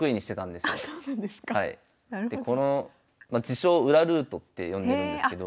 でこの自称「裏ルート」って呼んでるんですけど。